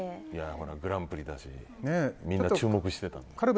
ほら、グランプリだしみんな注目してるから。